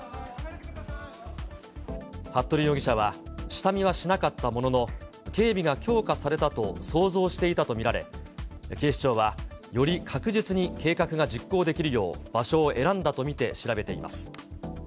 服部容疑者は、下見はしなかったものの、警備が強化されたと想像していたと見られ、警視庁は、より確実に計画が実行できるよう、場所を選んだと見て調べています。